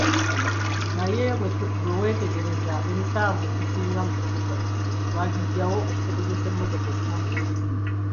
Naye bweweetegereza emisanvu egisinga mu kibuga twagijjawo okusobozesa emmotoka okutambula obulungi.